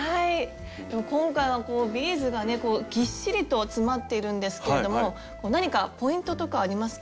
今回はこうビーズがねぎっしりと詰まっているんですけれども何かポイントとかありますか？